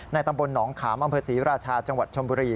ตำบลหนองขามอำเภอศรีราชาจังหวัดชมบุรี